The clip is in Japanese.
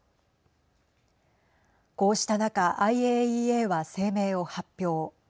こうした中ＩＡＥＡは声明を発表。